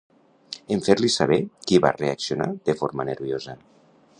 En fer-li saber, qui va reaccionar de forma nerviosa?